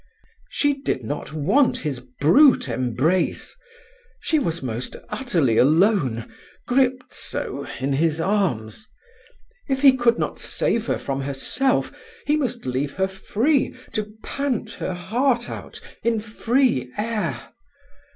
She did not want his brute embrace—she was most utterly alone, gripped so in his arms. If he could not save her from herself, he must leave her free to pant her heart out in free air.